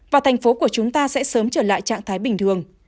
và thành phố của chúng ta sẽ sớm trở lại trạng thái bình thường